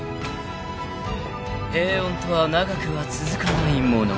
［平穏とは長くは続かないもの］